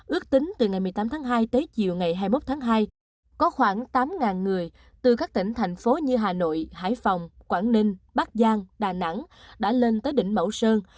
ước tính từ ngày một mươi tám tháng hai tới chiều ngày hai mươi một tháng hai có khoảng tám người từ các tỉnh thành phố như hà nội hải phòng quảng ninh bắc giang đà nẵng đã lên tới đỉnh mẫu sơn